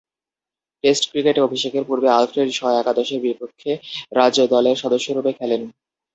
Test ক্রিকেটে অভিষেকের পূর্বে আলফ্রেড শ একাদশের বিপক্ষে রাজ্য দলের সদস্যরূপে খেলেন।